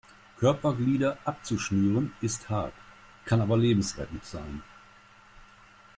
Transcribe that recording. Körperglieder abzuschnüren ist hart, kann aber lebensrettend sein.